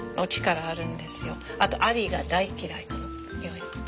あとアリ大嫌いな匂い。